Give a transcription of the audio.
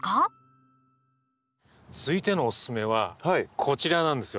続いてのおススメはこちらなんですよ。